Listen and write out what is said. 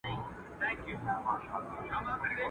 زما د نصیب جامونه څرنګه نسکور پاته دي.